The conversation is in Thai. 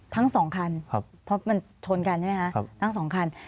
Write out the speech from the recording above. ทั้งสองคันเพราะมันชนกันใช่ไหมคะทั้งสองคัน